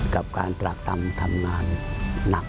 กับการตรากต่ำทำงานหนัก